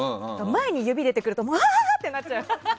前に指出てくるとわー！ってなっちゃう。